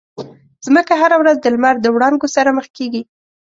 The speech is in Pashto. مځکه هره ورځ د لمر د وړانګو سره مخ کېږي.